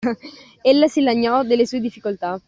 Ella si lagnò delle sue difficoltà;